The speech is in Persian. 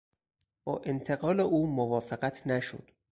با انتقال او موافقت نشد.